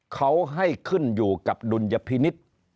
เขาให้ขึ้นอยู่กับดุลยพินิษฐ์